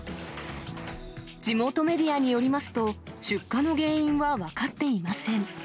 地元メディアによりますと、出火の原因は分かっていません。